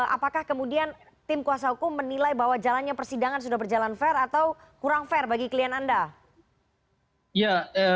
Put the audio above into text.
apakah kemudian tim kuasa hukum menilai bahwa jalannya persidangan sudah berjalan fair atau kurang fair bagi klien anda